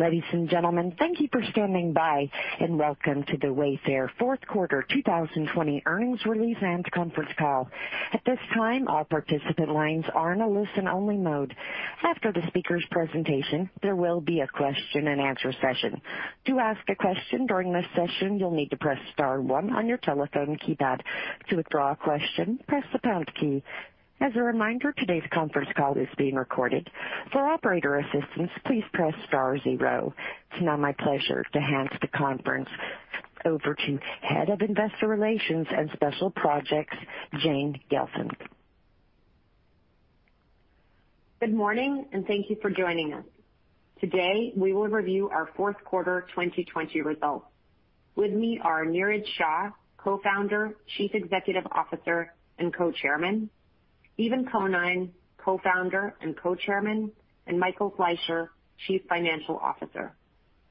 Ladies and gentlemen, thank you for standing by, and welcome to the Wayfair fourth quarter 2020 earnings release and conference call. At this time, all participant lines are in a listen-only mode. After the speakers' presentation, there will be a question and answer session. To ask a question during this session, you'll need to press star one on your telephone keypad. To withdraw a question, press the pound key. As a reminder, today's conference call is being recorded. For operator assistance, please press star zero. It's now my pleasure to hand the conference over to Head of Investor Relations and Special Projects, Jane Gelfand. Good morning, and thank you for joining us. Today, we will review our fourth quarter 2020 results. With me are Niraj Shah, Co-Founder, Chief Executive Officer, and Co-Chairman, Steven Conine, Co-Founder and Co-Chairman, and Michael Fleisher, Chief Financial Officer.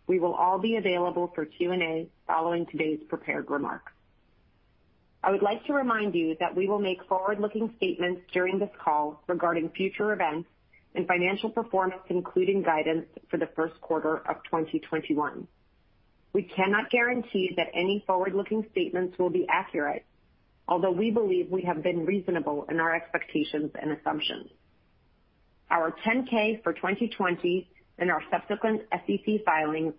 We will all be available for Q&A following today's prepared remarks. I would like to remind you that we will make forward-looking statements during this call regarding future events and financial performance, including guidance for the first quarter of 2021. We cannot guarantee that any forward-looking statements will be accurate, although we believe we have been reasonable in our expectations and assumptions. Our 10-K for 2020 and our subsequent SEC filings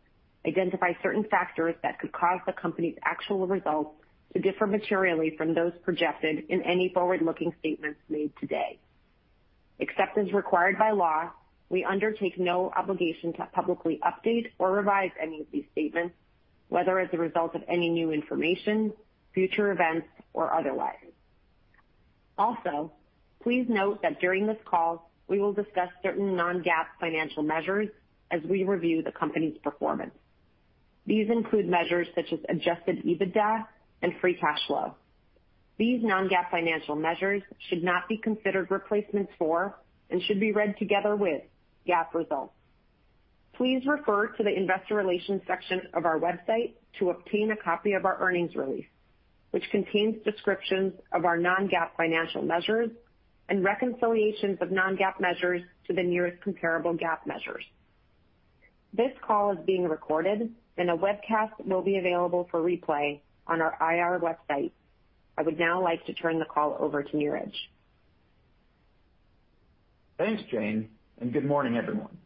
identify certain factors that could cause the company's actual results to differ materially from those projected in any forward-looking statements made today. Except as required by law, we undertake no obligation to publicly update or revise any of these statements, whether as a result of any new information, future events, or otherwise. Also, please note that during this call, we will discuss certain non-GAAP financial measures as we review the company's performance. These include measures such as adjusted EBITDA and free cash flow. These non-GAAP financial measures should not be considered replacements for and should be read together with GAAP results. Please refer to the investor relations section of our website to obtain a copy of our earnings release, which contains descriptions of our non-GAAP financial measures and reconciliations of non-GAAP measures to the nearest comparable GAAP measures. This call is being recorded, and a webcast will be available for replay on our IR website. I would now like to turn the call over to Niraj. Thanks, Jane, and good morning, everyone.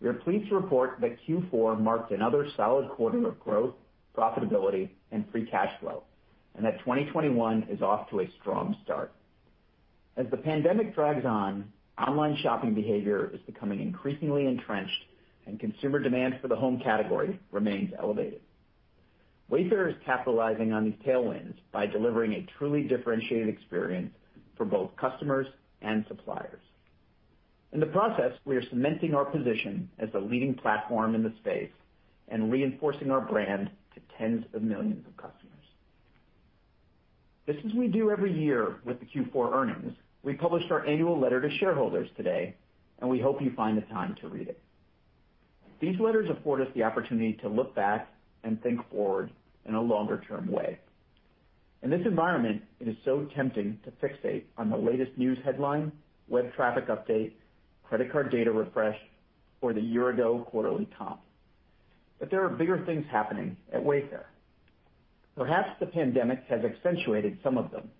We are pleased to report that Q4 marked another solid quarter of growth, profitability, and free cash flow, and that 2021 is off to a strong start. As the pandemic drags on, online shopping behavior is becoming increasingly entrenched, and consumer demand for the home category remains elevated. Wayfair, is capitalizing on these tailwinds by delivering a truly differentiated experience for both customers and suppliers. In the process, we are cementing our position as the leading platform in the space and reinforcing our brand to tens of millions of customers. Just as we do every year with the Q4 earnings, we published our annual letter to shareholders today, and we hope you find the time to read it. These letters afford us the opportunity to look back and think forward in a longer-term way. In this environment, it is so tempting to fixate on the latest news headline, web traffic update, credit card data refresh, or the year-ago quarterly comp. There are bigger things happening at Wayfair. Perhaps the pandemic has accentuated some of them,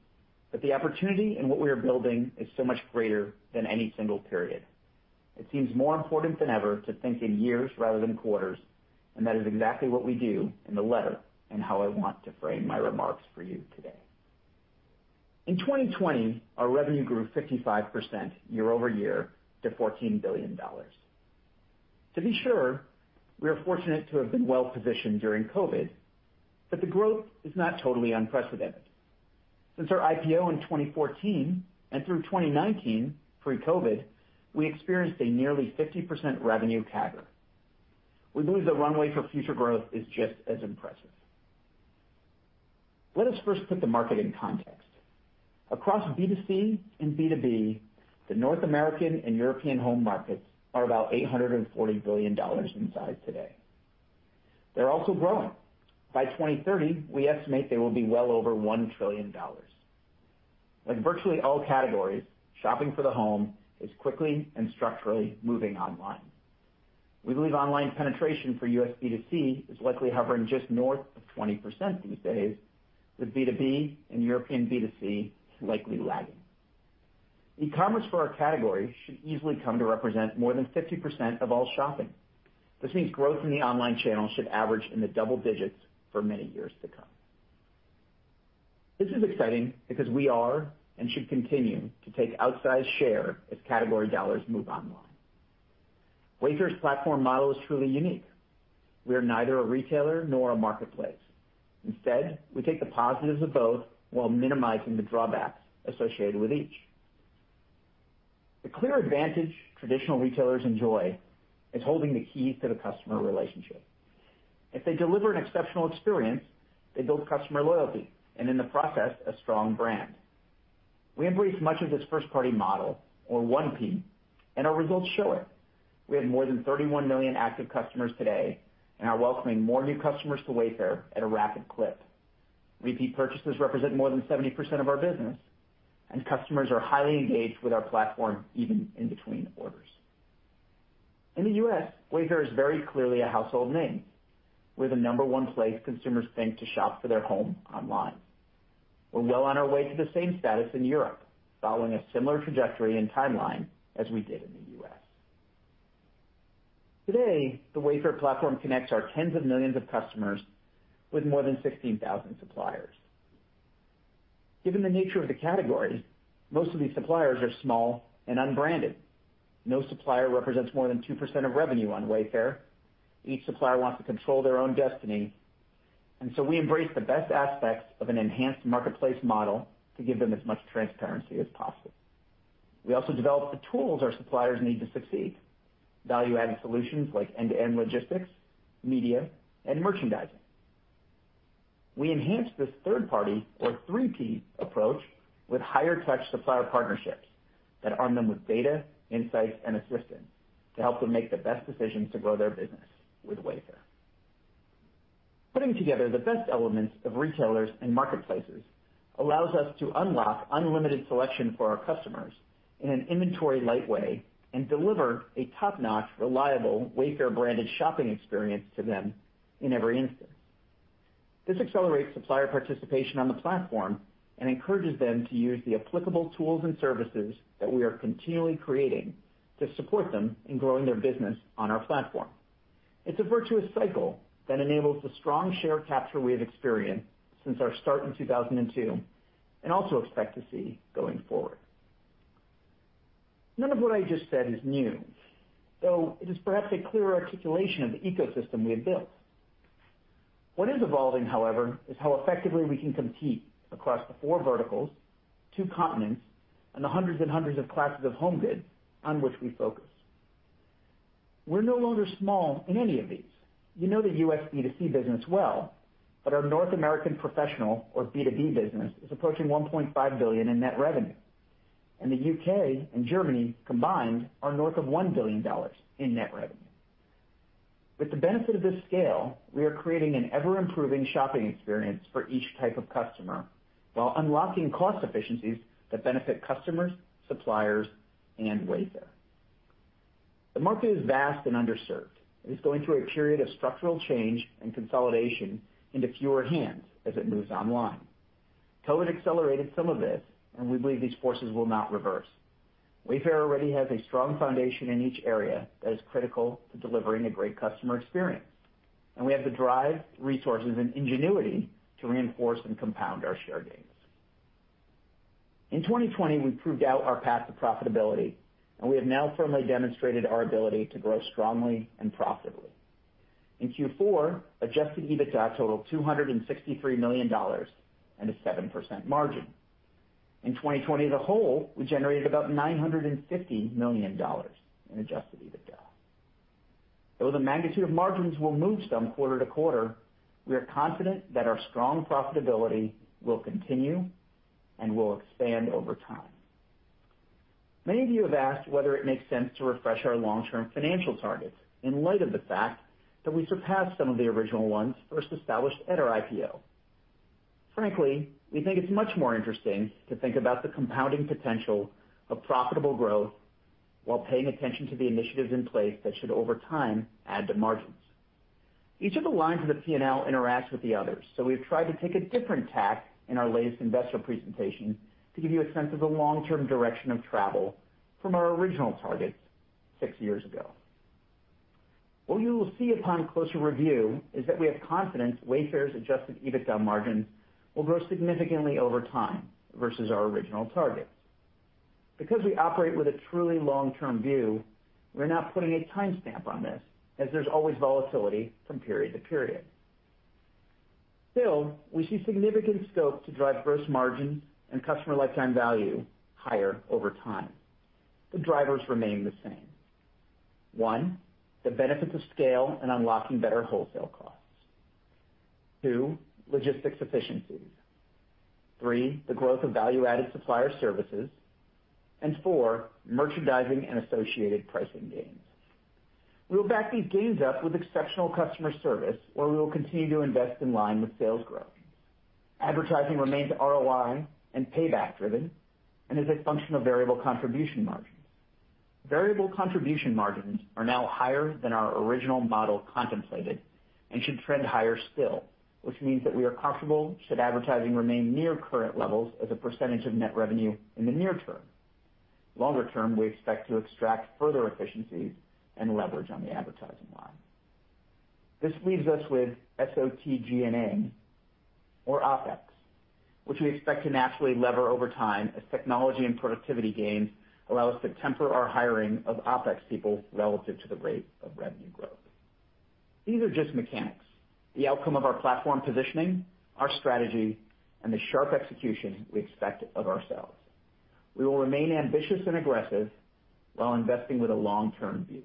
but the opportunity in what we are building is so much greater than any single period. It seems more important than ever to think in years rather than quarters, and that is exactly what we do in the letter and how I want to frame my remarks for you today. In 2020, our revenue grew 55% year-over-year to $14 billion. To be sure, we are fortunate to have been well-positioned during COVID, but the growth is not totally unprecedented. Since our IPO in 2014 and through 2019, pre-COVID, we experienced a nearly 50% revenue CAGR. We believe the runway for future growth is just as impressive. Let us first put the market in context. Across B2C and B2B, the North American and European home markets are about $840 billion in size today. They're also growing. By 2030, we estimate they will be well over $1 trillion. Like virtually all categories, shopping for the home is quickly and structurally moving online. We believe online penetration for U.S. B2C is likely hovering just north of 20% these days, with B2B and European B2C slightly lagging. E-commerce for our category should easily come to represent more than 50% of all shopping. This means growth in the online channel should average in the double digits for many years to come. This is exciting because we are and should continue to take outsized share as category dollars move online. Wayfair's platform model is truly unique. We are neither a retailer nor a marketplace. Instead, we take the positives of both while minimizing the drawbacks associated with each. The clear advantage traditional retailers enjoy is holding the key to the customer relationship. If they deliver an exceptional experience, they build customer loyalty, and in the process, a strong brand. We embrace much of this first-party model, or 1P, and our results show it. We have more than 31 million active customers today and are welcoming more new customers to Wayfair at a rapid clip. Repeat purchases represent more than 70% of our business, and customers are highly engaged with our platform, even in between orders. In the U.S., Wayfair is very clearly a household name. We're the number one place consumers think to shop for their home online. We're well on our way to the same status in Europe, following a similar trajectory and timeline as we did in the U.S. Today, the Wayfair platform connects our tens of millions of customers with more than 16,000 suppliers. Given the nature of the category, most of these suppliers are small and unbranded. No supplier represents more than 2% of revenue on Wayfair. Each supplier wants to control their own destiny, and so we embrace the best aspects of an enhanced marketplace model to give them as much transparency as possible. We also develop the tools our suppliers need to succeed, value-added solutions like end-to-end logistics, media, and merchandising. We enhance this third-party or 3P approach with higher touch supplier partnerships that arm them with data, insights, and assistance to help them make the best decisions to grow their business with Wayfair. Putting together the best elements of retailers and marketplaces allows us to unlock unlimited selection for our customers in an inventory-light way and deliver a top-notch, reliable Wayfair-branded shopping experience to them in every instance. This accelerates supplier participation on the platform and encourages them to use the applicable tools and services that we are continually creating to support them in growing their business on our platform. It's a virtuous cycle that enables the strong share capture we have experienced since our start in 2002, and also expect to see going forward. None of what I just said is new, though it is perhaps a clearer articulation of the ecosystem we have built. What is evolving, however, is how effectively we can compete across the four verticals, two continents, and the hundreds and hundreds of classes of home goods on which we focus. We're no longer small in any of these. You know the U.S. B2C business well, but our North American professional or B2B business is approaching $1.5 billion in net revenue. The U.K. and Germany combined are north of $1 billion in net revenue. With the benefit of this scale, we are creating an ever-improving shopping experience for each type of customer while unlocking cost efficiencies that benefit customers, suppliers, and Wayfair. The market is vast and underserved. It is going through a period of structural change and consolidation into fewer hands as it moves online. COVID accelerated some of this, and we believe these forces will not reverse. Wayfair already has a strong foundation in each area that is critical to delivering a great customer experience, and we have the drive, resources, and ingenuity to reinforce and compound our share gains. In 2020, we proved our path to profitability, and we have now firmly demonstrated our ability to grow strongly and profitably. In Q4, adjusted EBITDA totaled $263 million and a 7% margin. In 2020 as a whole, we generated about $950 million in adjusted EBITDA. Though the magnitude of margins will move some quarter to quarter, we are confident that our strong profitability will continue and will expand over time. Many of you have asked whether it makes sense to refresh our long-term financial targets in light of the fact that we surpassed some of the original ones first established at our IPO. Frankly, we think it's much more interesting to think about the compounding potential of profitable growth while paying attention to the initiatives in place that should, over time, add to margins. Each of the lines of the P&L interacts with the others, so we've tried to take a different tack in our latest investor presentation to give you a sense of the long-term direction of travel from our original targets six years ago. What you will see upon closer review is that we have confidence Wayfair's adjusted EBITDA margins will grow significantly over time versus our original targets. Because we operate with a truly long-term view, we're not putting a timestamp on this, as there's always volatility from period to period. We see significant scope to drive gross margins and customer lifetime value higher over time. The drivers remain the same. One, the benefits of scale and unlocking better wholesale costs. Two, logistics efficiencies. Three, the growth of value-added supplier services, and four, merchandising and associated pricing gains. We will back these gains up with exceptional customer service, where we will continue to invest in line with sales growth. Advertising remains ROI and payback driven and is a function of variable contribution margins. Variable contribution margins are now higher than our original model contemplated and should trend higher still, which means that we are comfortable should advertising remain near current levels as a percentage of net revenue in the near term. Longer term, we expect to extract further efficiencies and leverage on the advertising line. This leaves us with SOT, G&A or OpEx, which we expect to naturally lever over time as technology and productivity gains allow us to temper our hiring of OpEx people relative to the rate of revenue growth. These are just mechanics, the outcome of our platform positioning, our strategy, and the sharp execution we expect of ourselves. We will remain ambitious and aggressive while investing with a long-term view,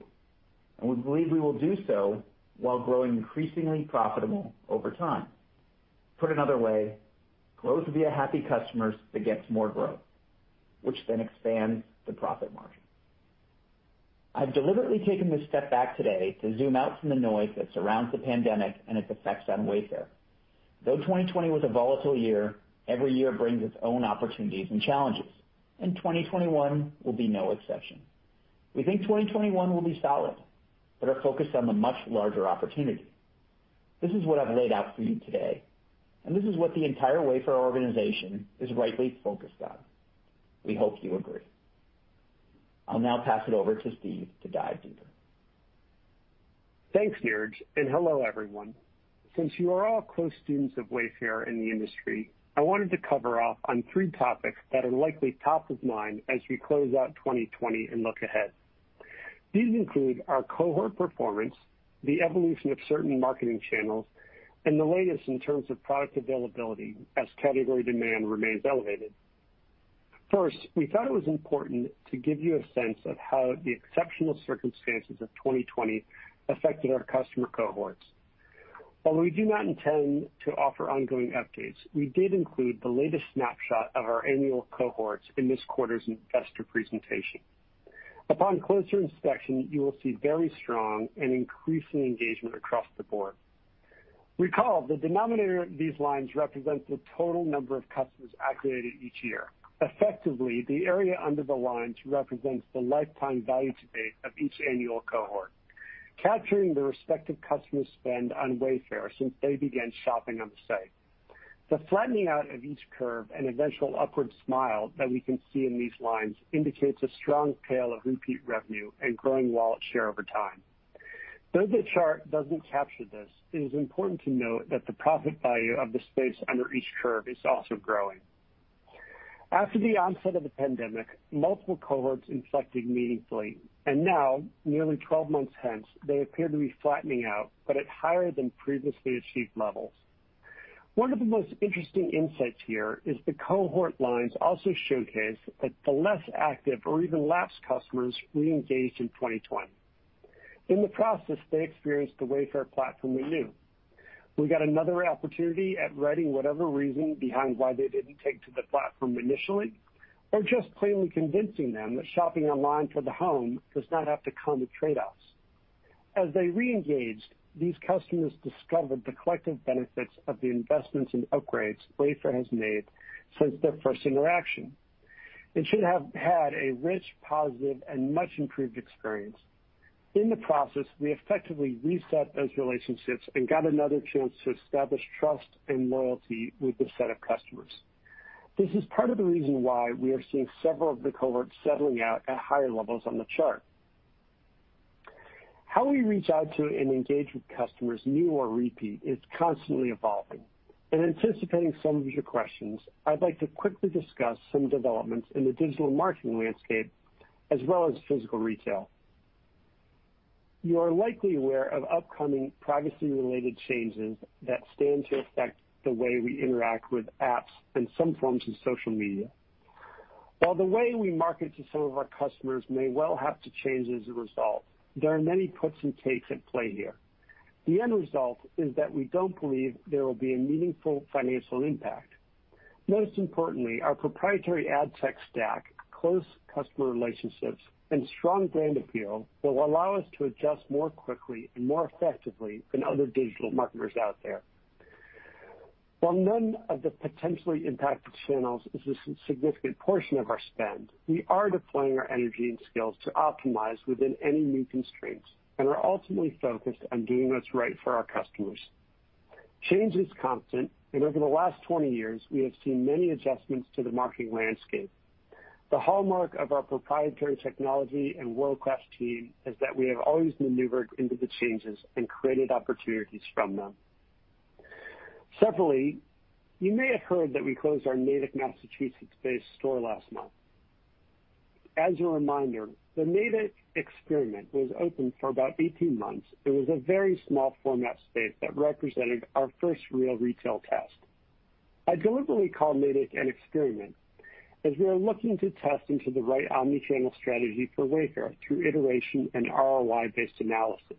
and we believe we will do so while growing increasingly profitable over time. Put another way, growth via happy customers begets more growth, which then expands the profit margin. I've deliberately taken this step back today to zoom out from the noise that surrounds the pandemic and its effects on Wayfair. Though 2020 was a volatile year, every year brings its own opportunities and challenges, and 2021 will be no exception. We think 2021 will be solid, but are focused on the much larger opportunity. This is what I've laid out for you today, and this is what the entire Wayfair organization is rightly focused on. We hope you agree. I'll now pass it over to Steve to dive deeper. Thanks, Niraj, and hello, everyone. Since you are all close students of Wayfair in the industry, I wanted to cover off on three topics that are likely top of mind as we close out 2020 and look ahead. These include our cohort performance, the evolution of certain marketing channels, and the latest in terms of product availability as category demand remains elevated. First, we thought it was important to give you a sense of how the exceptional circumstances of 2020 affected our customer cohorts. Although we do not intend to offer ongoing updates, we did include the latest snapshot of our annual cohorts in this quarter's investor presentation. Upon closer inspection, you will see very strong and increasing engagement across the board. Recall, the denominator in these lines represents the total number of customers activated each year. Effectively, the area under the lines represents the lifetime value to date of each annual cohort, capturing the respective customer spend on Wayfair since they began shopping on the site. The flattening out of each curve and eventual upward smile that we can see in these lines indicates a strong tail of repeat revenue and growing wallet share over time. Though the chart doesn't capture this, it is important to note that the profit value of the space under each curve is also growing. After the onset of the pandemic, multiple cohorts inflected meaningfully, and now, nearly 12 months hence, they appear to be flattening out, but at higher than previously achieved levels. One of the most interesting insights here is the cohort lines also showcase that the less active or even lapsed customers re-engaged in 2020. In the process, they experienced the Wayfair platform anew. We got another opportunity at righting whatever reason behind why they didn't take to the platform initially, or just plainly convincing them that shopping online for the home does not have to come with trade-offs. As they re-engaged, these customers discovered the collective benefits of the investments and upgrades Wayfair has made since their first interaction and should have had a rich, positive, and much-improved experience. In the process, we effectively reset those relationships and got another chance to establish trust and loyalty with this set of customers. This is part of the reason why we are seeing several of the cohorts settling out at higher levels on the chart. How we reach out to and engage with customers, new or repeat, is constantly evolving. In anticipating some of your questions, I'd like to quickly discuss some developments in the digital marketing landscape as well as physical retail. You are likely aware of upcoming privacy-related changes that stand to affect the way we interact with apps and some forms of social media. While the way we market to some of our customers may well have to change as a result, there are many puts and takes at play here. The end result is that we don't believe there will be a meaningful financial impact. Most importantly, our proprietary ad tech stack, close customer relationships, and strong brand appeal will allow us to adjust more quickly and more effectively than other digital marketers out there. While none of the potentially impacted channels is a significant portion of our spend, we are deploying our energy and skills to optimize within any new constraints and are ultimately focused on doing what's right for our customers. Change is constant, and over the last 20 years, we have seen many adjustments to the marketing landscape. The hallmark of our proprietary technology and world-class team is that we have always maneuvered into the changes and created opportunities from them. Separately, you may have heard that we closed our Natick, Massachusetts-based store last month. As a reminder, the Natick experiment was open for about 18 months. It was a very small format space that represented our first real retail test. I deliberately call Natick an experiment, as we are looking to test into the right omni-channel strategy for Wayfair through iteration and ROI-based analysis,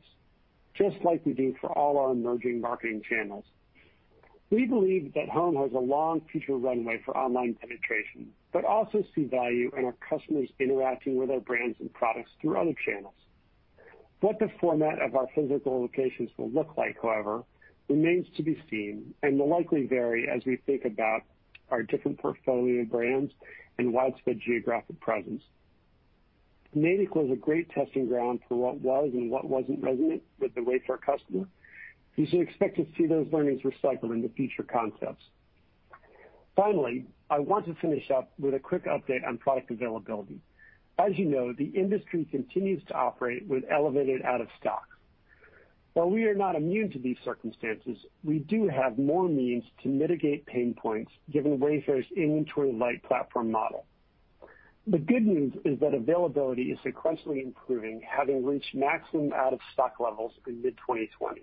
just like we do for all our emerging marketing channels. We believe that home has a long future runway for online penetration, but also see value in our customers interacting with our brands and products through other channels. What the format of our physical locations will look like, however, remains to be seen and will likely vary as we think about our different portfolio brands and widespread geographic presence. Natick was a great testing ground for what was and what wasn't resonant with the Wayfair customer. You should expect to see those learnings recycled into future concepts. Finally, I want to finish up with a quick update on product availability. As you know, the industry continues to operate with elevated out of stock. While we are not immune to these circumstances, we do have more means to mitigate pain points given Wayfair's inventory-light platform model. The good news is that availability is sequentially improving, having reached maximum out-of-stock levels in mid-2020.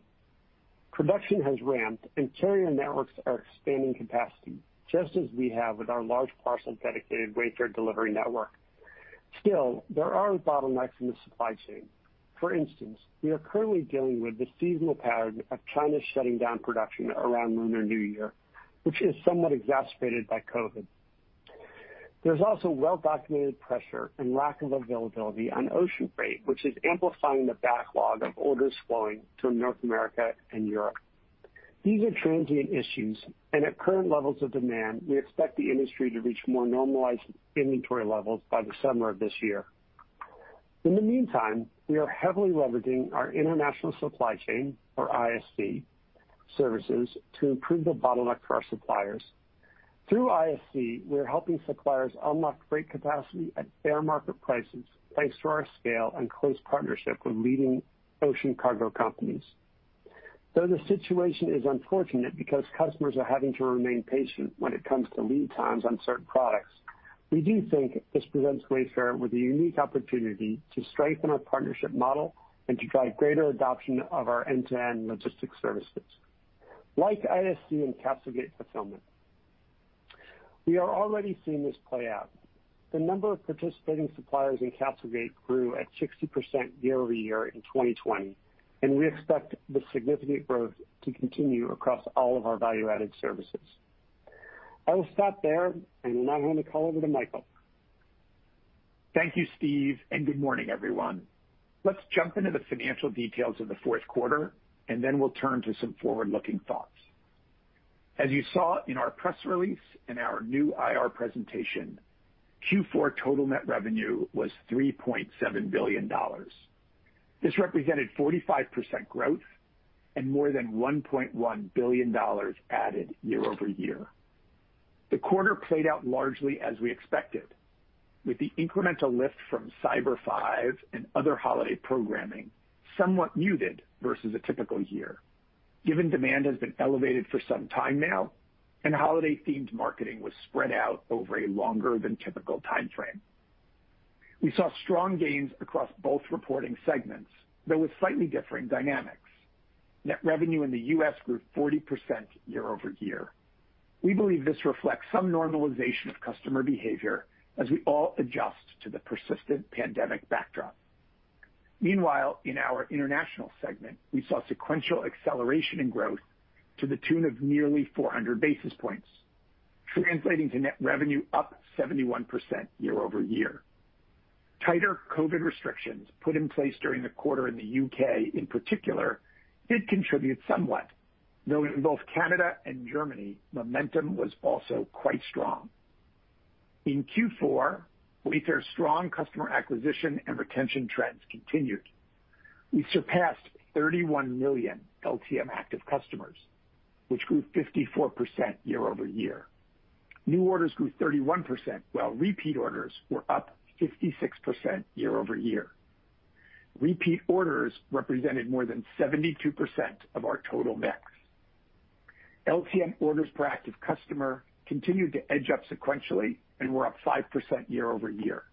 Production has ramped, and carrier networks are expanding capacity, just as we have with our large parcel dedicated Wayfair delivery network. Still, there are bottlenecks in the supply chain. For instance, we are currently dealing with the seasonal pattern of China shutting down production around Lunar New Year, which is somewhat exacerbated by COVID. There's also well-documented pressure and lack of availability on ocean freight, which is amplifying the backlog of orders flowing to North America and Europe. These are transient issues, and at current levels of demand, we expect the industry to reach more normalized inventory levels by the summer of this year. In the meantime, we are heavily leveraging our international supply chain, or ISC, services to improve the bottleneck for our suppliers. Through ISC, we are helping suppliers unlock freight capacity at fair market prices, thanks to our scale and close partnership with leading ocean cargo companies. Though the situation is unfortunate because customers are having to remain patient when it comes to lead times on certain products, we do think this presents Wayfair with a unique opportunity to strengthen our partnership model and to drive greater adoption of our end-to-end logistics services, like ISC and CastleGate fulfillment. We are already seeing this play out. The number of participating suppliers in CastleGate grew at 60% year-over-year in 2020, and we expect the significant growth to continue across all of our value-added services. I will stop there and now hand the call over to Michael. Thank you, Steve, and good morning, everyone. Let's jump into the financial details of the fourth quarter, and then we'll turn to some forward-looking thoughts. As you saw in our press release and our new IR presentation, Q4 total net revenue was $3.7 billion. This represented 45% growth and more than $1.1 billion added year-over-year. The quarter played out largely as we expected, with the incremental lift from Cyber 5 and other holiday programming somewhat muted versus a typical year, given demand has been elevated for some time now and holiday-themed marketing was spread out over a longer than typical timeframe. We saw strong gains across both reporting segments, though with slightly differing dynamics. Net revenue in the U.S. grew 40% year-over-year. We believe this reflects some normalization of customer behavior as we all adjust to the persistent pandemic backdrop. Meanwhile, in our international segment, we saw sequential acceleration in growth to the tune of nearly 400 basis points, translating to net revenue up 71% year-over-year. Tighter COVID restrictions put in place during the quarter in the U.K. in particular did contribute somewhat, though in both Canada and Germany, momentum was also quite strong. In Q4, Wayfair's strong customer acquisition and retention trends continued. We surpassed 31 million LTM active customers, which grew 54% year-over-year. New orders grew 31%, while repeat orders were up 56% year-over-year. Repeat orders represented more than 72% of our total mix. LTM orders per active customer continued to edge up sequentially and were up 5% year-over-year.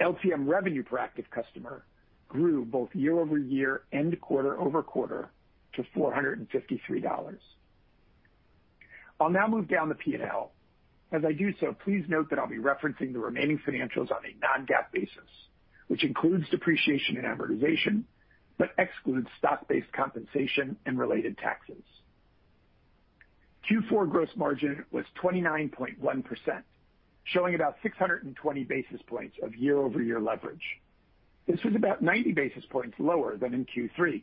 LTM revenue per active customer grew both year-over-year and quarter-over-quarter to $453. I'll now move down the P&L. As I do so, please note that I'll be referencing the remaining financials on a non-GAAP basis, which includes depreciation and amortization, but excludes stock-based compensation and related taxes. Q4 gross margin was 29.1%, showing about 620 basis points of year-over-year leverage. This was about 90 basis points lower than in Q3.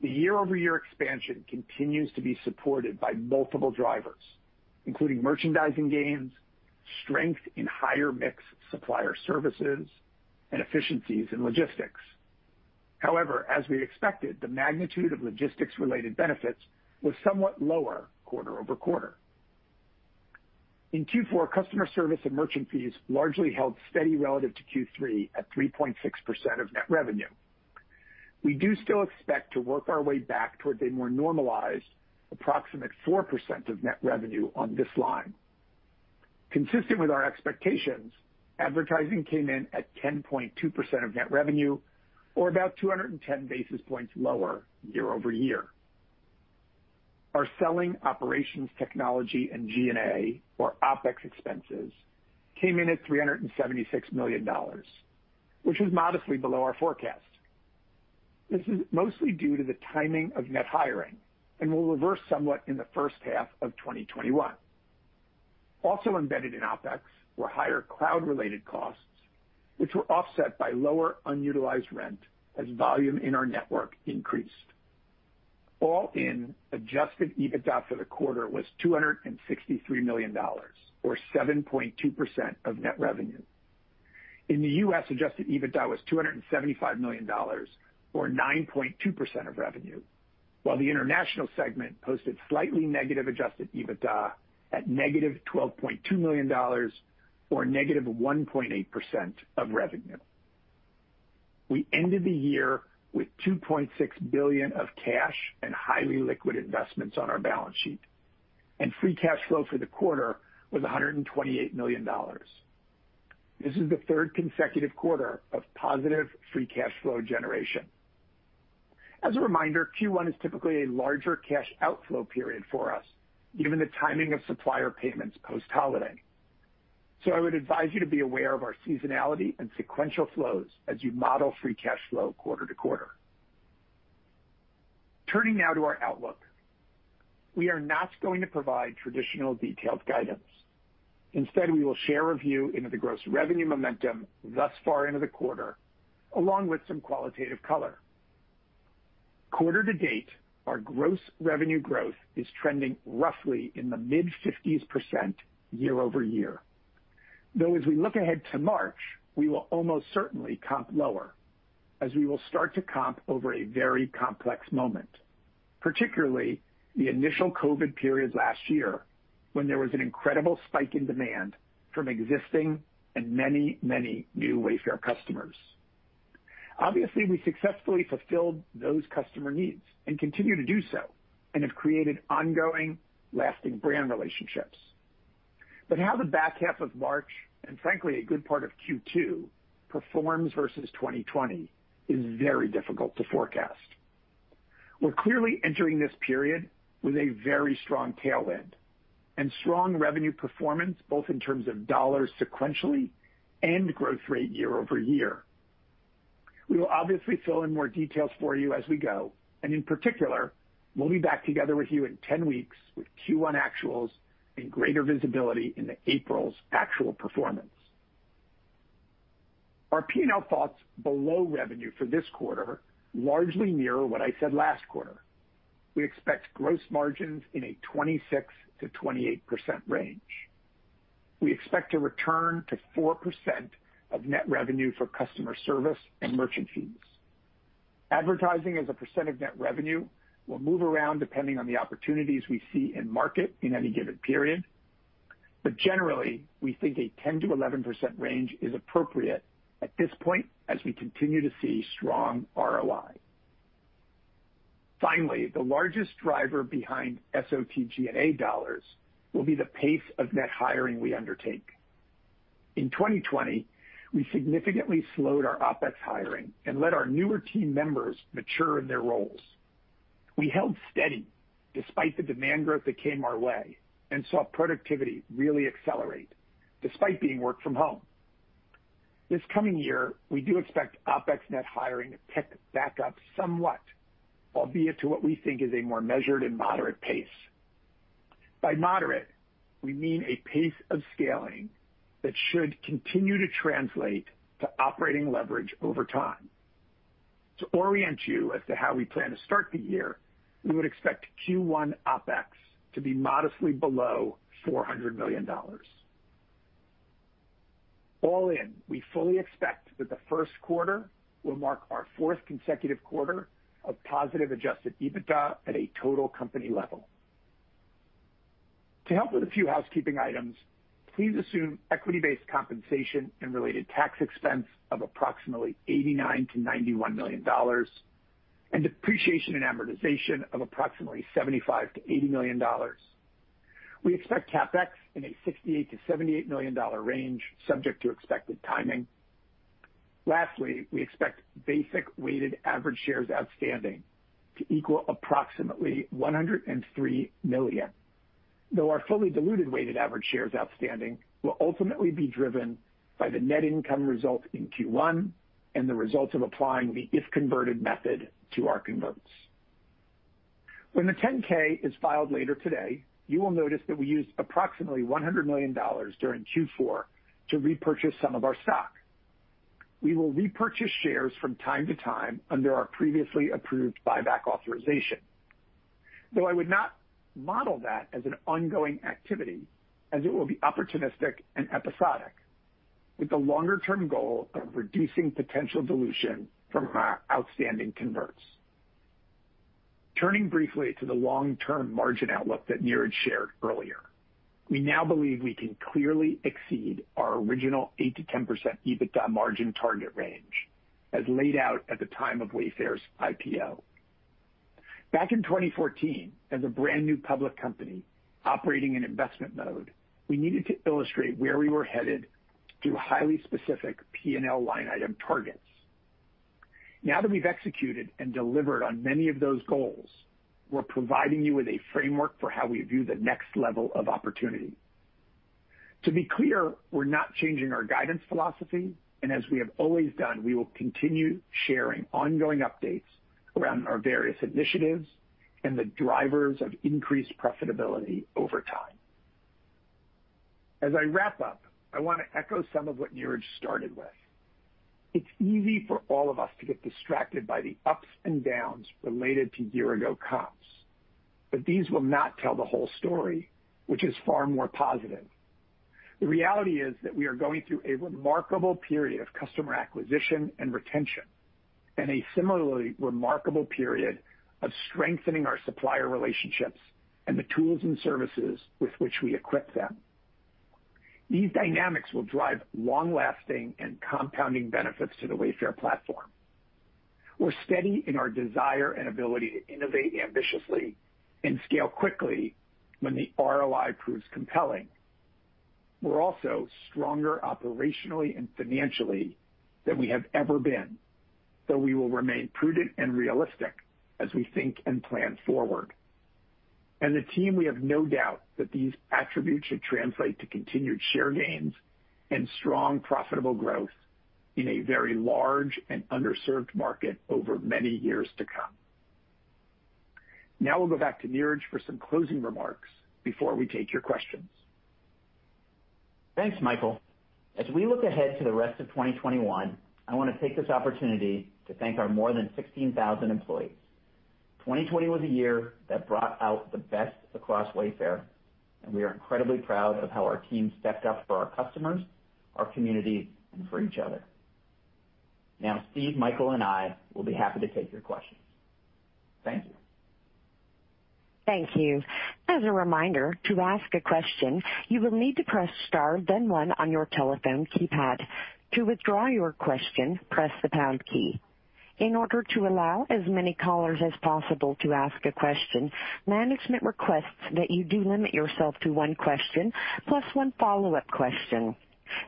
The year-over-year expansion continues to be supported by multiple drivers, including merchandising gains, strength in higher mix supplier services, and efficiencies in logistics. However, as we expected, the magnitude of logistics-related benefits was somewhat lower quarter-over-quarter. In Q4, customer service and merchant fees largely held steady relative to Q3 at 3.6% of net revenue. We do still expect to work our way back toward a more normalized approximate 4% of net revenue on this line. Consistent with our expectations, advertising came in at 10.2% of net revenue, or about 210 basis points lower year-over-year. Our selling, operations, technology, and G&A, or OpEx expenses, came in at $376 million, which was modestly below our forecast. This is mostly due to the timing of net hiring and will reverse somewhat in the first half of 2021. Also embedded in OpEx were higher cloud-related costs, which were offset by lower unutilized rent as volume in our network increased. All-in, adjusted EBITDA for the quarter was $263 million, or 7.2% of net revenue. In the U.S., adjusted EBITDA was $275 million, or 9.2% of revenue, while the international segment posted slightly negative adjusted EBITDA at negative $12.2 million, or negative 1.8% of revenue. We ended the year with $2.6 billion of cash and highly liquid investments on our balance sheet, and free cash flow for the quarter was $128 million. This is the third consecutive quarter of positive free cash flow generation. As a reminder, Q1 is typically a larger cash outflow period for us, given the timing of supplier payments post-holiday. I would advise you to be aware of our seasonality and sequential flows as you model free cash flow quarter to quarter. Turning now to our outlook. We are not going to provide traditional detailed guidance. Instead, we will share a view into the gross revenue momentum thus far into the quarter, along with some qualitative color. Quarter to date, our gross revenue growth is trending roughly in the mid 50s% year-over-year. Though as we look ahead to March, we will almost certainly comp lower as we will start to comp over a very complex moment, particularly the initial COVID period last year, when there was an incredible spike in demand from existing and many, many new Wayfair customers. Obviously, we successfully fulfilled those customer needs and continue to do so and have created ongoing, lasting brand relationships. How the back half of March, and frankly, a good part of Q2, performs versus 2020 is very difficult to forecast. We're clearly entering this period with a very strong tailwind and strong revenue performance, both in terms of dollars sequentially and growth rate year-over-year. We will obviously fill in more details for you as we go, and in particular, we'll be back together with you in 10 weeks with Q1 actuals and greater visibility into April's actual performance. Our P&L thoughts below revenue for this quarter largely mirror what I said last quarter. We expect gross margins in a 26%-28% range. We expect a return to 4% of net revenue for customer service and merchant fees. Advertising as a % of net revenue will move around depending on the opportunities we see in market in any given period. Generally, we think a 10%-11% range is appropriate at this point as we continue to see strong ROI. Finally, the largest driver behind SOT, G&A dollars will be the pace of net hiring we undertake. In 2020, we significantly slowed our OpEx hiring and let our newer team members mature in their roles. We held steady despite the demand growth that came our way and saw productivity really accelerate despite being work from home. This coming year, we do expect OpEx net hiring to pick back up somewhat, albeit to what we think is a more measured and moderate pace. By moderate, we mean a pace of scaling that should continue to translate to operating leverage over time. To orient you as to how we plan to start the year, we would expect Q1 OpEx to be modestly below $400 million. All in, we fully expect that the first quarter will mark our fourth consecutive quarter of positive adjusted EBITDA at a total company level. To help with a few housekeeping items, please assume equity-based compensation and related tax expense of approximately $89 million-$91 million, and depreciation and amortization of approximately $75 million-$80 million. We expect CapEx in a $68 million-$78 million range, subject to expected timing. Lastly, we expect basic weighted average shares outstanding to equal approximately 103 million. Though our fully diluted weighted average shares outstanding will ultimately be driven by the net income result in Q1 and the result of applying the if-converted method to our converts. When the 10-K is filed later today, you will notice that we used approximately $100 million during Q4 to repurchase some of our stock. We will repurchase shares from time to time under our previously approved buyback authorization. Though I would not model that as an ongoing activity, as it will be opportunistic and episodic with the longer-term goal of reducing potential dilution from our outstanding converts. Turning briefly to the long-term margin outlook that Niraj shared earlier, we now believe we can clearly exceed our original 8%-10% EBITDA margin target range as laid out at the time of Wayfair's IPO. Back in 2014, as a brand-new public company operating in investment mode, we needed to illustrate where we were headed through highly specific P&L line item targets. Now that we've executed and delivered on many of those goals, we're providing you with a framework for how we view the next level of opportunity. To be clear, we're not changing our guidance philosophy, and as we have always done, we will continue sharing ongoing updates around our various initiatives and the drivers of increased profitability over time. As I wrap up, I want to echo some of what Niraj started with. It's easy for all of us to get distracted by the ups and downs related to year-ago comps, but these will not tell the whole story, which is far more positive. The reality is that we are going through a remarkable period of customer acquisition and retention, and a similarly remarkable period of strengthening our supplier relationships and the tools and services with which we equip them. These dynamics will drive long-lasting and compounding benefits to the Wayfair platform. We're steady in our desire and ability to innovate ambitiously and scale quickly when the ROI proves compelling. We're also stronger operationally and financially than we have ever been, we will remain prudent and realistic as we think and plan forward. The team, we have no doubt that these attributes should translate to continued share gains and strong profitable growth in a very large and underserved market over many years to come. We'll go back to Niraj, for some closing remarks before we take your questions. Thanks, Michael. As we look ahead to the rest of 2021, I want to take this opportunity to thank our more than 16,000 employees. 2020 was a year that brought out the best across Wayfair, and we are incredibly proud of how our team stepped up for our customers, our community, and for each other. Now Steve, Michael, and I will be happy to take your questions. Thank you. Thank you. As a reminder, to ask a question, you will need to press star then one on your telephone keypad. To withdraw your question, press the pound key. In order to allow as many callers as possible to ask a question, management requests that you do limit yourself to one question plus one follow-up question.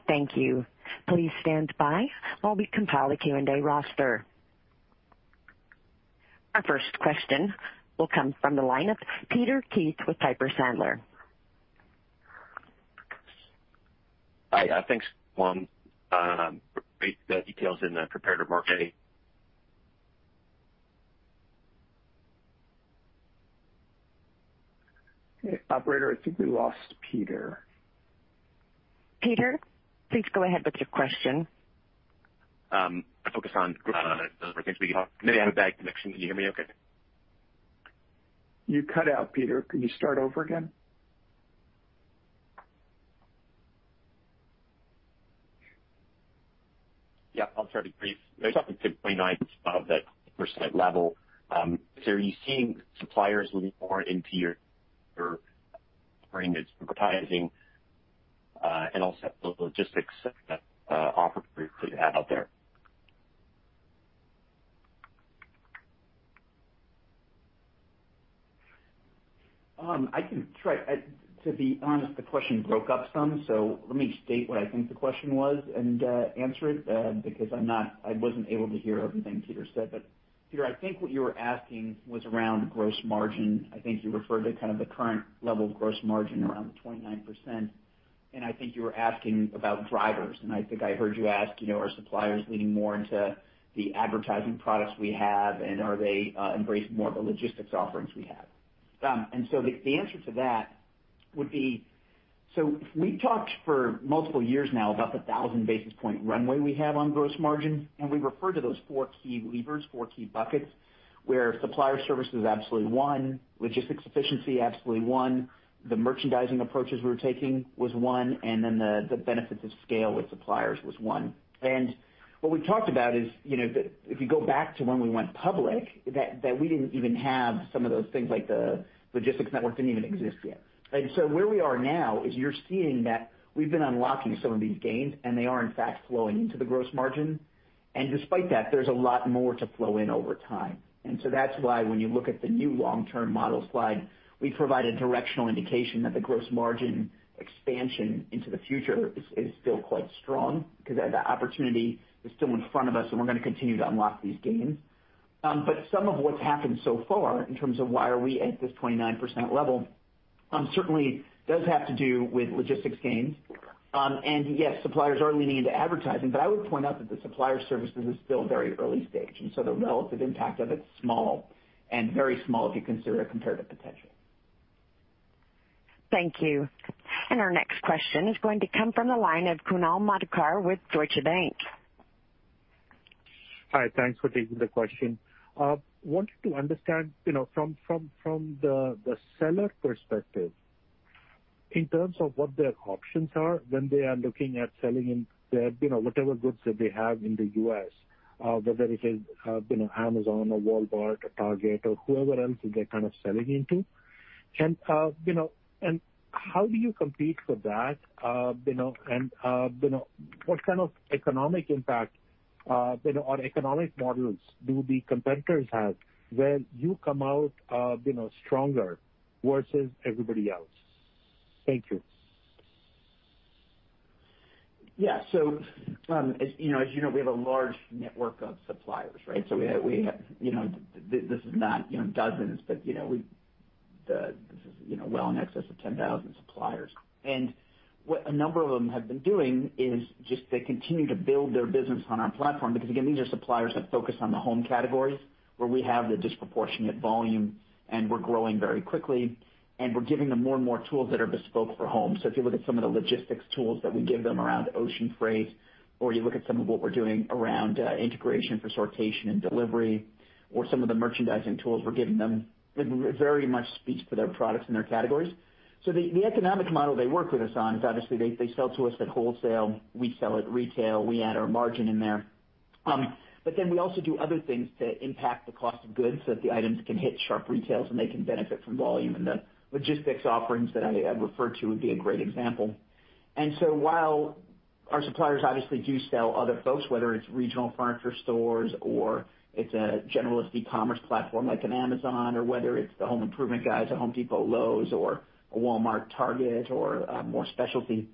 Thank you. Please stand by while we compile a Q&A roster. Our first question will come from the line of Peter Keith with Piper Sandler. Hi. Thanks, one, the details in the prepared remarks. Okay. Operator, I think we lost Peter. Peter, please go ahead with your question. [Focus on those are things.] We may have a bad connection. Can you hear me okay? You cut out, Peter. Can you start over again? Yeah. I'll try to be brief. [There's something to 29% above that level]. Are you seeing suppliers leaning more into your offering, its advertising, and also the logistics offering that you have out there? I can try. To be honest, the question broke up some, so let me state what I think the question was and answer it because I wasn't able to hear everything Peter said. Peter, I think what you were asking was around gross margin. I think you referred to kind of the current level of gross margin around the 29%, and I think you were asking about drivers, and I think I heard you ask, are suppliers leaning more into the advertising products we have, and are they embracing more of the logistics offerings we have? The answer to that would be, so we've talked for multiple years now about the 1,000 basis point runway we have on gross margin, and we refer to those four key levers, four key buckets, where supplier service is absolutely one, logistics efficiency, absolutely one, the merchandising approaches we're taking was one, and then the benefits of scale with suppliers was one. What we talked about is, if you go back to when we went public, that we didn't even have some of those things, like the logistics network didn't even exist yet. Where we are now is you're seeing that we've been unlocking some of these gains, and they are in fact flowing into the gross margin. Despite that, there's a lot more to flow in over time. That's why when you look at the new long-term model slide, we provide a directional indication that the gross margin expansion into the future is still quite strong because the opportunity is still in front of us, and we're going to continue to unlock these gains. Some of what's happened so far in terms of why are we at this 29% level certainly does have to do with logistics gains. Yes, suppliers are leaning into advertising, but I would point out that the supplier services is still very early stage, and so the relative impact of it's small, and very small if you consider the comparative potential. Thank you. Our next question is going to come from the line of Kunal Madhukar with Deutsche Bank. Hi. Thanks for taking the question. Wanted to understand from the seller perspective, in terms of what their options are when they are looking at selling their whatever goods that they have in the U.S., whether it is Amazon or Walmart or Target or whoever else they're kind of selling into. How do you compete for that, and what kind of economic impact or economic models do the competitors have where you come out stronger versus everybody else? Thank you. Yeah. As you know, we have a large network of suppliers, right? This is not dozens, but this is well in excess of 10,000 suppliers. What a number of them have been doing is just they continue to build their business on our platform because, again, these are suppliers that focus on the home categories where we have the disproportionate volume, and we're growing very quickly, and we're giving them more and more tools that are bespoke for home. If you look at some of the logistics tools that we give them around ocean freight, or you look at some of what we're doing around integration for sortation and delivery or some of the merchandising tools we're giving them, it very much speaks to their products and their categories. The economic model they work with us on is obviously they sell to us at wholesale, we sell at retail, we add our margin in there. We also do other things to impact the cost of goods so that the items can hit sharp retails, and they can benefit from volume and the logistics offerings that I referred to would be a great example. While our suppliers obviously do sell other folks, whether it's regional furniture stores or it's a generalist e-commerce platform like an Amazon, or whether it's the home improvement guys at Home Depot, Lowe's, or a Walmart, Target, or more specialty,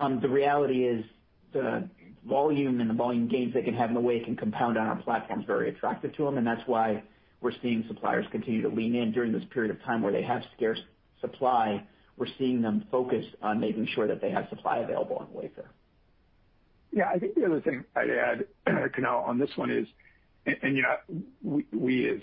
the reality is, the volume and the volume gains they can have in the way it can compound on our platform is very attractive to them, and that's why we're seeing suppliers continue to lean in during this period of time where they have scarce supply. We're seeing them focus on making sure that they have supply available on Wayfair. I think the other thing I'd add, Kunal, on this one is, we as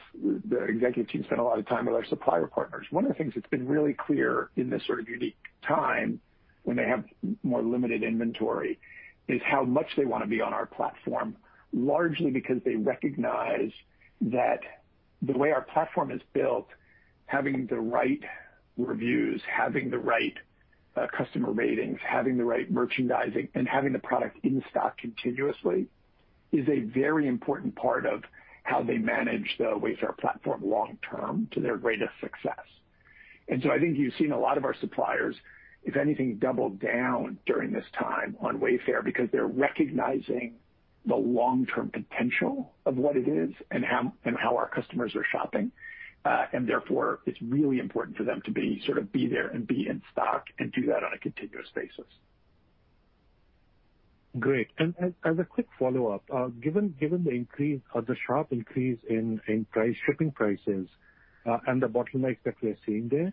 the executive team, spend a lot of time with our supplier partners. One of the things that's been really clear in this sort of unique time when they have more limited inventory is how much they want to be on our platform, largely because they recognize that the way our platform is built, having the right reviews, having the right customer ratings, having the right merchandising, and having the product in stock continuously is a very important part of how they manage the Wayfair platform long term to their greatest success. I think you've seen a lot of our suppliers, if anything, double down during this time on Wayfair because they're recognizing the long-term potential of what it is and how our customers are shopping. Therefore, it's really important for them to sort of be there and be in stock and do that on a continuous basis. Great. As a quick follow-up, given the increase or the sharp increase in shipping prices, and the bottlenecks that we are seeing there,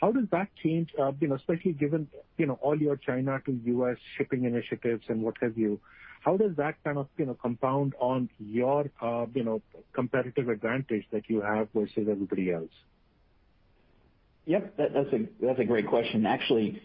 how does that change, especially given all your China to U.S. shipping initiatives and what have you, how does that kind of compound on your competitive advantage that you have versus everybody else? Yep, that's a great question. Actually,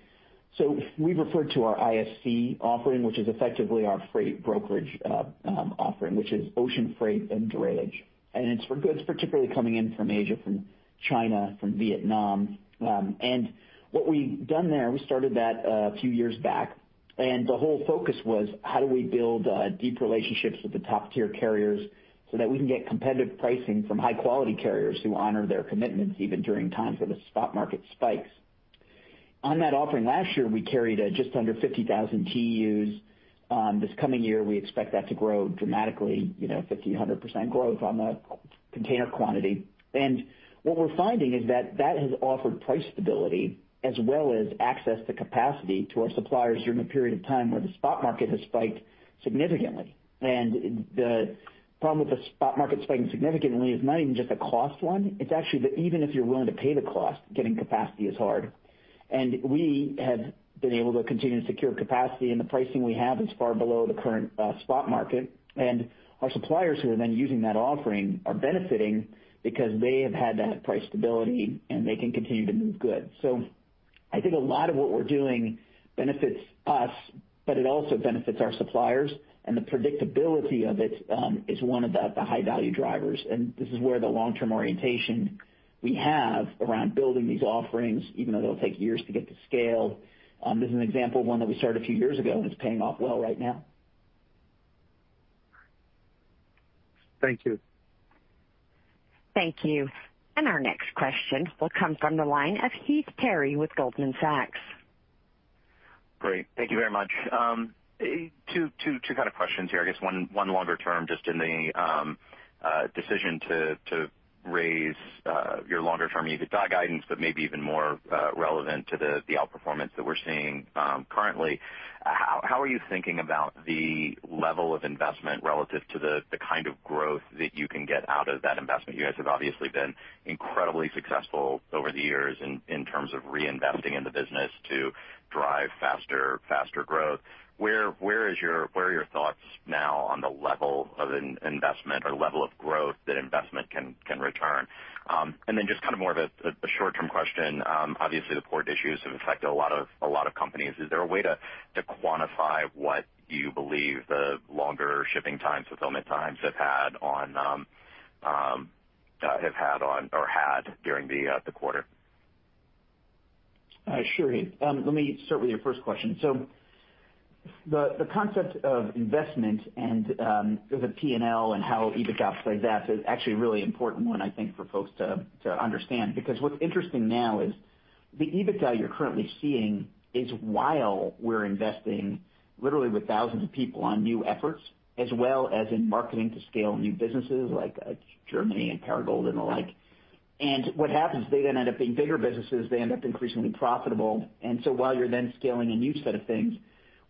we refer to our ISC offering, which is effectively our freight brokerage offering, which is ocean freight and drayage, and it's for goods particularly coming in from Asia, from China, from Vietnam. What we've done there, we started that a few years back, and the whole focus was how do we build deep relationships with the top-tier carriers so that we can get competitive pricing from high-quality carriers who honor their commitments, even during times where the spot market spikes. On that offering last year, we carried just under 50,000 TEUs. This coming year, we expect that to grow dramatically, 50%-100% growth on the container quantity. What we're finding is that that has offered price stability as well as access to capacity to our suppliers during a period of time where the spot market has spiked significantly. The problem with the spot market spiking significantly is not even just a cost one. It's actually that even if you're willing to pay the cost, getting capacity is hard. We have been able to continue to secure capacity, and the pricing we have is far below the current spot market. Our suppliers who are then using that offering are benefiting because they have had that price stability, and they can continue to move goods. I think a lot of what we're doing benefits us, but it also benefits our suppliers, and the predictability of it is one of the high-value drivers, and this is where the long-term orientation we have around building these offerings, even though they'll take years to get to scale. This is an example of one that we started a few years ago, and it's paying off well right now. Thank you. Thank you. Our next question will come from the line of Heath Terry with Goldman Sachs. Great. Thank you very much. Two kind of questions here. I guess one longer term, just in the decision to raise your longer-term EBITDA guidance, but maybe even more relevant to the outperformance that we're seeing currently, how are you thinking about the level of investment relative to the kind of growth that you can get out of that investment? You guys have obviously been incredibly successful over the years in terms of reinvesting in the business to drive faster growth. Where are your thoughts now on the level of investment or level of growth that investment can return? Then just kind of more of a short-term question. Obviously, the port issues have affected a lot of companies. Is there a way to quantify what you believe the longer shipping time fulfillment times have had on or had during the quarter? Sure, Heath. Let me start with your first question. The concept of investment and the P&L and how EBITDA plays out is actually a really important one, I think, for folks to understand, because what's interesting now is the EBITDA you're currently seeing is while we're investing literally with thousands of people on new efforts as well as in marketing to scale new businesses like Germany and Perigold and the like. What happens, they then end up being bigger businesses. They end up increasingly profitable. While you're then scaling a new set of things,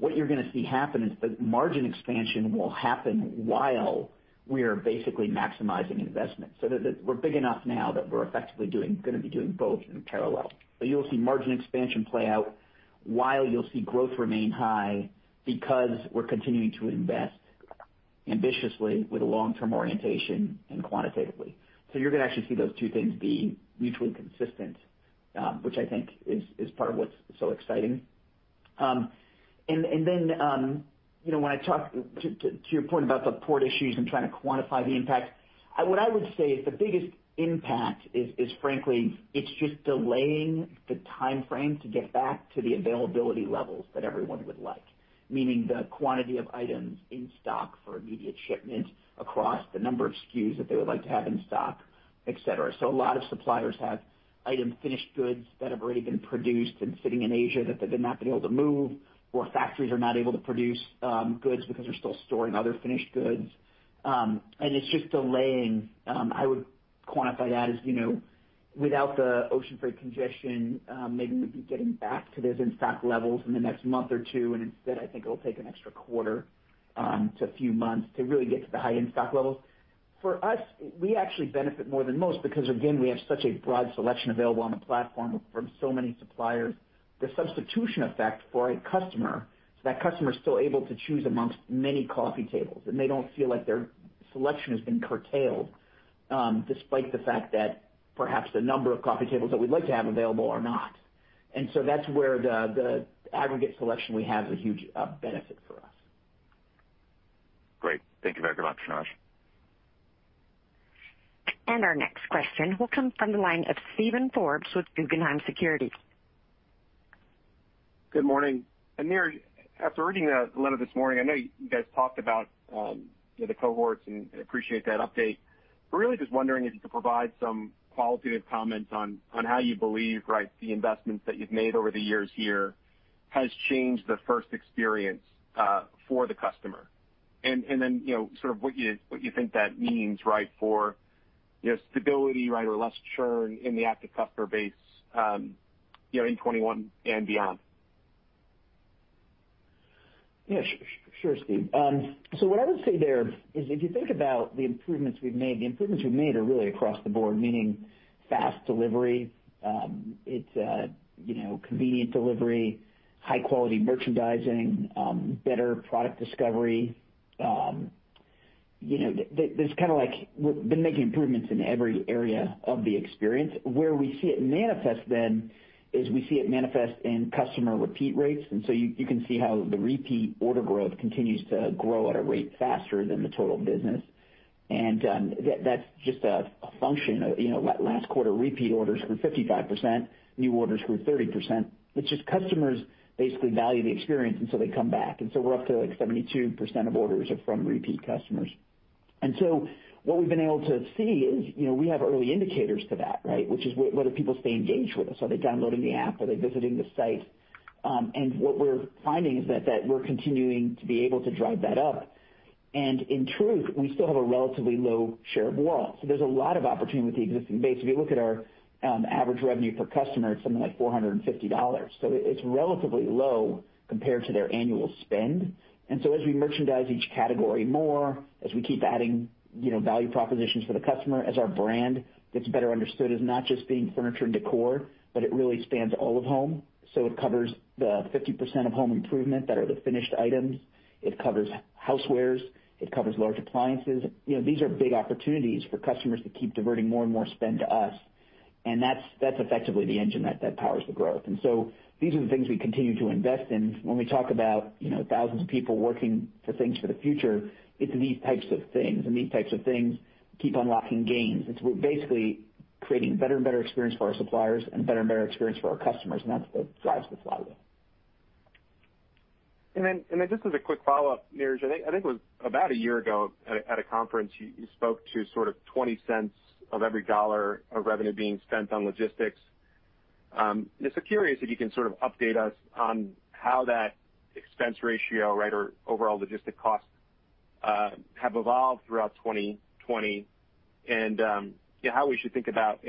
what you're going to see happen is that margin expansion will happen while we are basically maximizing investment, so that we're big enough now that we're effectively going to be doing both in parallel. You'll see margin expansion play out while you'll see growth remain high because we're continuing to invest ambitiously with a long-term orientation and quantitatively. You're going to actually see those two things be mutually consistent, which I think is part of what's so exciting. When I talk to your point about the port issues and trying to quantify the impact, what I would say is the biggest impact is frankly, it's just delaying the timeframe to get back to the availability levels that everyone would like, meaning the quantity of items in stock for immediate shipment across the number of SKUs that they would like to have in stock, et cetera. A lot of suppliers have items, finished goods that have already been produced and sitting in Asia that they've not been able to move, or factories are not able to produce goods because they're still storing other finished goods. It's just delaying. I would quantify that as, without the ocean freight congestion, maybe we'd be getting back to those in-stock levels in the next month or two, and instead, I think it'll take an extra quarter to a few months to really get to the high in-stock levels. For us, we actually benefit more than most because, again, we have such a broad selection available on the platform from so many suppliers. The substitution effect for a customer is that customer's still able to choose amongst many coffee tables, and they don't feel like their selection has been curtailed, despite the fact that perhaps the number of coffee tables that we'd like to have available are not. That's where the aggregate selection we have is a huge benefit for us. Great. Thank you very much, Niraj. Our next question will come from the line of Steven Forbes with Guggenheim Securities. Good morning. Niraj, after reading the letter this morning, I know you guys talked about the cohorts, and I appreciate that update. Really just wondering if you could provide some qualitative comments on how you believe the investments that you've made over the years here has changed the first experience for the customer. Then, sort of what you think that means for stability or less churn in the active customer base in 2021 and beyond. Yeah, sure, Steve. What I would say there is if you think about the improvements we've made, the improvements we've made are really across the board, meaning fast delivery. It's convenient delivery, high-quality merchandising, better product discovery. There's kind of like we've been making improvements in every area of the experience. Where we see it manifest then is we see it manifest in customer repeat rates, and so you can see how the repeat order growth continues to grow at a rate faster than the total business. That's just a function of last quarter repeat orders grew 55%, new orders grew 30%, it's just customers basically value the experience, and so they come back. We're up to like 72% of orders are from repeat customers. What we've been able to see is we have early indicators for that. Which is whether people stay engaged with us. Are they downloading the app? Are they visiting the site? What we're finding is that we're continuing to be able to drive that up. In truth, we still have a relatively low share of wallet. There's a lot of opportunity with the existing base. If you look at our average revenue per customer, it's something like $450. It's relatively low compared to their annual spend. As we merchandise each category more, as we keep adding value propositions for the customer, as our brand gets better understood as not just being furniture and decor, but it really spans all of home. It covers the 50% of home improvement that are the finished items. It covers housewares, it covers large appliances. These are big opportunities for customers to keep diverting more and more spend to us, and that's effectively the engine that powers the growth. These are the things we continue to invest in. When we talk about thousands of people working for things for the future, it's these types of things. These types of things keep unlocking gains. We're basically creating better and better experience for our suppliers and better and better experience for our customers, and that's what drives the flywheel. Just as a quick follow-up, Niraj, I think it was about one year ago at a conference, you spoke to sort of $0.20 of every dollar of revenue being spent on logistics. Just curious if you can sort of update us on how that expense ratio or overall logistics costs have evolved throughout 2020. How we should think about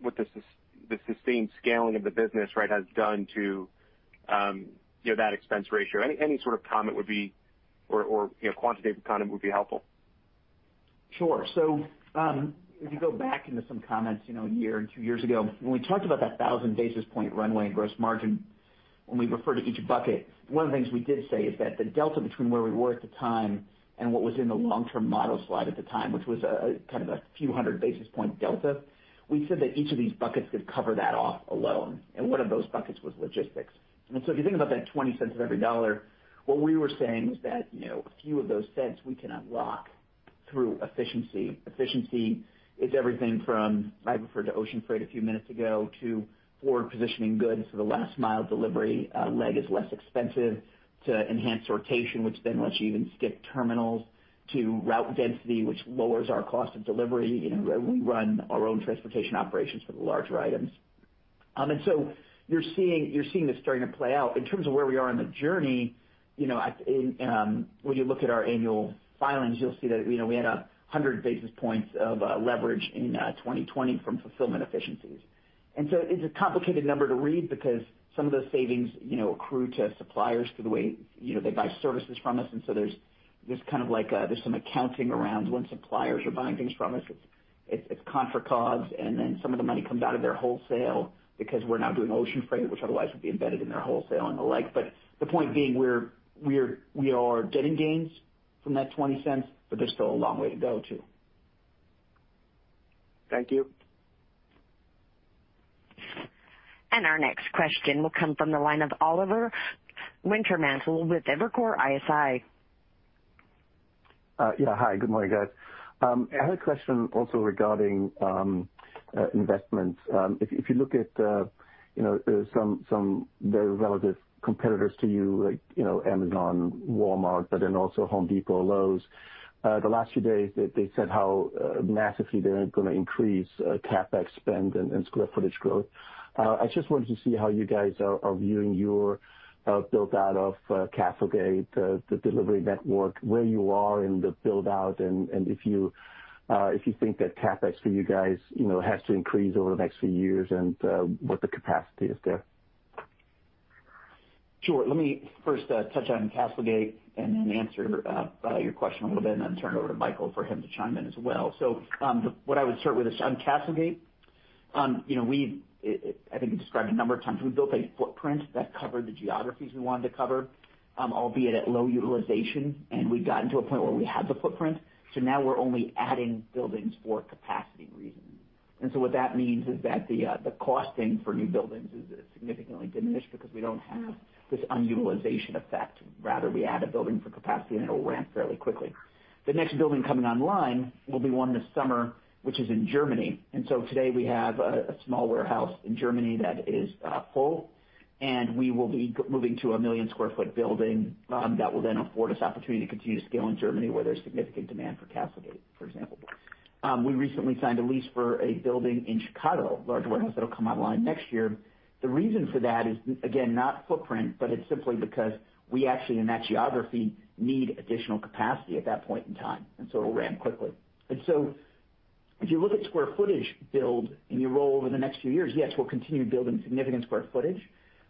what the sustained scaling of the business has done to that expense ratio. Any sort of comment would be, or quantitative comment would be helpful. Sure. If you go back into some comments a year and two years ago, when we talked about that 1,000 basis point runway in gross margin, when we refer to each bucket, one of the things we did say is that the delta between where we were at the time and what was in the long-term model slide at the time, which was kind of a few hundred basis point delta, we said that each of these buckets could cover that off alone, and one of those buckets was logistics. If you think about that $0.20 of every dollar, what we were saying was that a few of those cents we can unlock through efficiency. Efficiency is everything from, I referred to ocean freight a few minutes ago, to forward-positioning goods so the last mile delivery leg is less expensive, to enhance sortation, which then lets you even skip terminals, to route density, which lowers our cost of delivery. We run our own transportation operations for the larger items. You're seeing this starting to play out. In terms of where we are on the journey, when you look at our annual filings, you'll see that we had 100 basis points of leverage in 2020 from fulfillment efficiencies. It's a complicated number to read because some of those savings accrue to suppliers through the way they buy services from us, and so there's some accounting around when suppliers are buying things from us. It's contra COGS, and then some of the money comes out of their wholesale because we're now doing ocean freight, which otherwise would be embedded in their wholesale and the like. The point being we are getting gains from that $0.20, but there's still a long way to go, too. Thank you. Our next question will come from the line of Oliver Wintermantel with Evercore ISI. Yeah. Hi, good morning, guys. I had a question also regarding investments. If you look at some very relative competitors to you, like Amazon, Walmart, also Home Depot, Lowe's. The last few days they said how massively they're going to increase CapEx spend and square footage growth. I just wanted to see how you guys are viewing your build-out of CastleGate, the delivery network, where you are in the build-out, and if you think that CapEx for you guys has to increase over the next few years and what the capacity is there. Sure. Let me first touch on CastleGate and then answer your question a little bit and then turn it over to Michael for him to chime in as well. What I would start with is on CastleGate, I think we described a number of times, we built a footprint that covered the geographies we wanted to cover, albeit at low utilization, and we'd gotten to a point where we had the footprint. Now we're only adding buildings for capacity reasons. What that means is that the costing for new buildings is significantly diminished because we don't have this unutilization effect. Rather, we add a building for capacity, and it'll ramp fairly quickly. The next building coming online will be one this summer, which is in Germany. Today we have a small warehouse in Germany that is full, and we will be moving to a 1 million square foot building that will then afford us opportunity to continue to scale in Germany where there's significant demand for CastleGate, for example. We recently signed a lease for a building in Chicago, large warehouse that'll come online next year. The reason for that is, again, not footprint, but it's simply because we actually, in that geography, need additional capacity at that point in time, and so it'll ramp quickly. If you look at square footage build and you roll over the next few years, yes, we'll continue building significant square footage.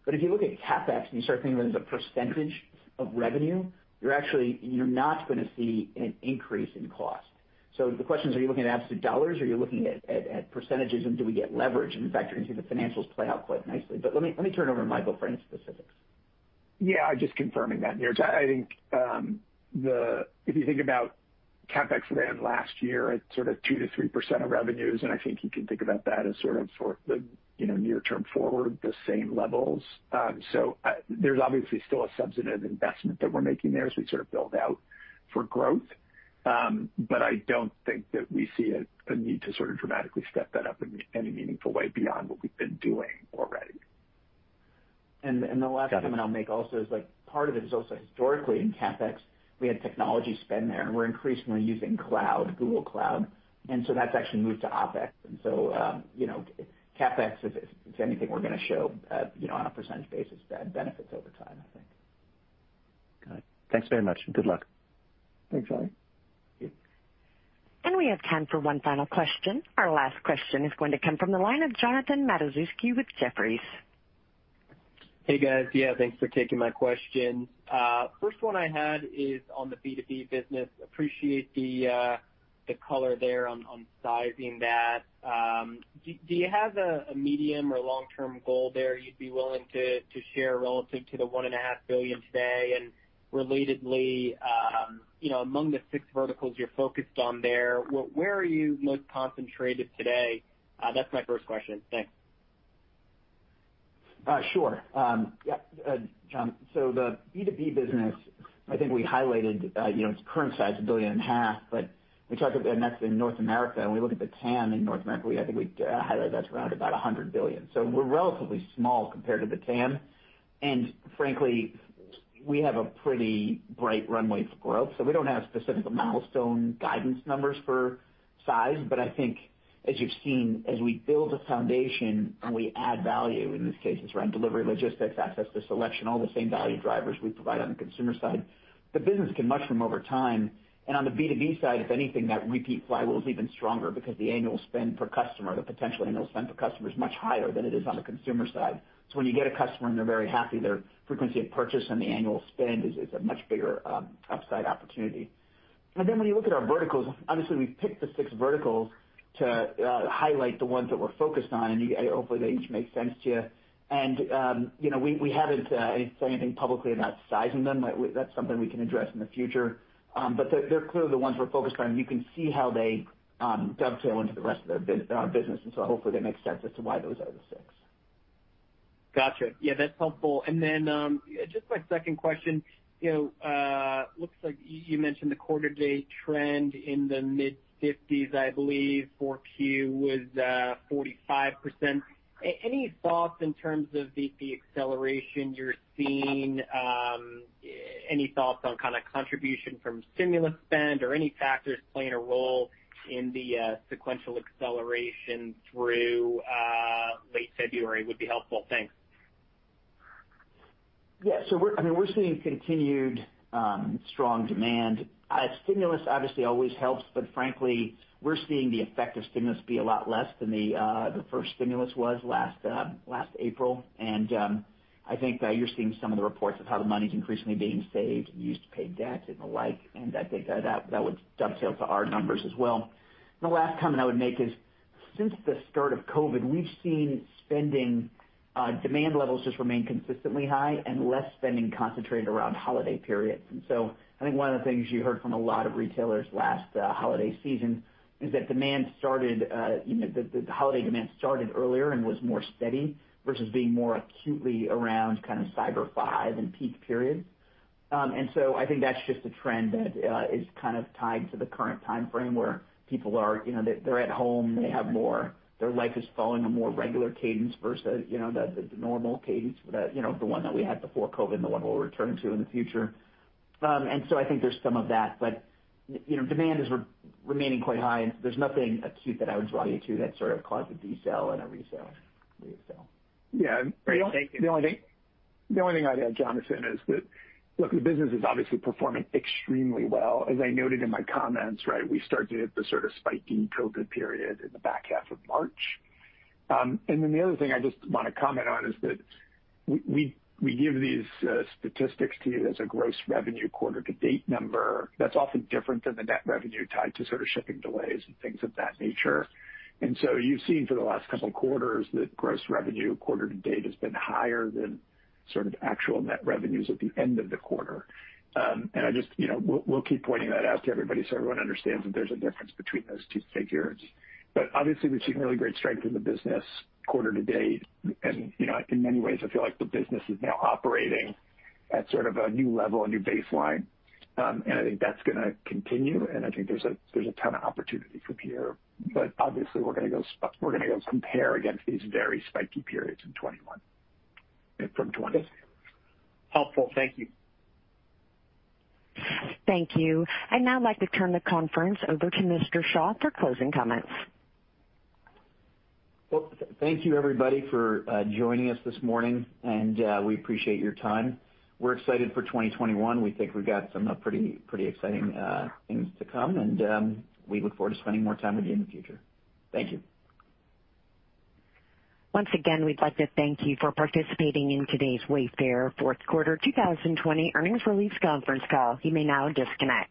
If you look at CapEx and you start thinking of it as a percentage of revenue, you're not going to see an increase in cost. The question is, are you looking at absolute dollars or are you looking at percentages and do we get leverage? In fact, you can see the financials play out quite nicely. Let me turn it over to Michael for any specifics. Yeah, just confirming that, Niraj. I think if you think about CapEx ran last year at sort of 2%-3% of revenues, I think you can think about that as sort of for the near term forward, the same levels. There's obviously still a substantive investment that we're making there as we sort of build out for growth. I don't think that we see a need to sort of dramatically step that up in any meaningful way beyond what we've been doing already. The last comment I'll make also is part of it is also historically in CapEx, we had technology spend there, and we're increasingly using cloud, Google Cloud. That's actually moved to OpEx. CapEx, if anything, we're going to show on a percentage basis, that benefits over time, I think. Got it. Thanks very much, and good luck. Thanks, Ollie. We have time for one final question. Our last question is going to come from the line of Jonathan Matuszewski with Jefferies. Hey, guys. Yeah, thanks for taking my question. First one I had is on the B2B business. Appreciate the color there on sizing that. Do you have a medium or long-term goal there you'd be willing to share relative to the $1.5 billion today? Relatedly, among the six verticals you're focused on there, where are you most concentrated today? That's my first question. Thanks. Sure. Yeah, John. The B2B business, I think we highlighted its current size, a billion and a half dollars, but we talked about net in North America. We look at the TAM in North America, I think we highlighted that's around about $100 billion. We're relatively small compared to the TAM. Frankly, we have a pretty bright runway for growth. We don't have specific milestone guidance numbers for size. I think as you've seen, as we build a foundation and we add value, in this case it's around delivery, logistics, access to selection, all the same value drivers we provide on the consumer side, the business can mushroom over time. On the B2B side, if anything, that repeat flywheel is even stronger because the annual spend per customer, the potential annual spend per customer is much higher than it is on the consumer side. When you get a customer and they're very happy, their frequency of purchase and the annual spend is a much bigger upside opportunity. When you look at our verticals, obviously we've picked the six verticals to highlight the ones that we're focused on, and hopefully they each make sense to you. We haven't said anything publicly about sizing them. That's something we can address in the future. They're clearly the ones we're focused on, and you can see how they dovetail into the rest of the business. Hopefully that makes sense as to why those are the six. Got you. Yeah, that's helpful. Then just my second question. Looks like you mentioned the quarter-to-date trend in the mid-50s, I believe, 4Q was 45%. Any thoughts in terms of the acceleration you're seeing? Any thoughts on kind of contribution from stimulus spend or any factors playing a role in the sequential acceleration through late February would be helpful. Thanks. Yeah. We're seeing continued strong demand. Stimulus obviously always helps, but frankly, we're seeing the effect of stimulus be a lot less than the first stimulus was last April. I think that you're seeing some of the reports of how the money's increasingly being saved, used to pay debt and the like, and I think that would dovetail to our numbers as well. The last comment I would make is, since the start of COVID, we've seen spending demand levels just remain consistently high and less spending concentrated around holiday periods. I think one of the things you heard from a lot of retailers last holiday season is that the holiday demand started earlier and was more steady versus being more acutely around kind of Cyber 5 and peak periods. I think that's just a trend that is kind of tied to the current timeframe where people are at home, their life is following a more regular cadence versus the normal cadence, the one that we had before COVID and the one we'll return to in the future. I think there's some of that, but demand is remaining quite high, and there's nothing acute that I would draw you to that sort of caused a desell and a resell. Yeah. Great. Thank you. The only thing I'd add, Jonathan, is that, look, the business is obviously performing extremely well. As I noted in my comments, we start to hit the sort of spiky COVID period in the back half of March. The other thing I just want to comment on is that we give these statistics to you as a gross revenue quarter to date number. That's often different than the net revenue tied to sort of shipping delays and things of that nature. You've seen for the last couple quarters that gross revenue quarter to date has been higher than sort of actual net revenues at the end of the quarter. We'll keep pointing that out to everybody so everyone understands that there's a difference between those two figures. Obviously, we're seeing really great strength in the business quarter to date, and in many ways, I feel like the business is now operating at sort of a new level, a new baseline. I think that's going to continue, and I think there's a ton of opportunity from here. Obviously, we're going to go compare against these very spiky periods in 2021 and from 2020. Helpful. Thank you. Thank you. I'd now like to turn the conference over to Mr. Shah for closing comments. Well, thank you everybody for joining us this morning, and we appreciate your time. We're excited for 2021. We think we've got some pretty exciting things to come, and we look forward to spending more time with you in the future. Thank you. Once again, we'd like to thank you for participating in today's Wayfair fourth quarter 2020 earnings release conference call. You may now disconnect.